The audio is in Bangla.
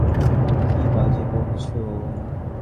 কী বাজে বকছো?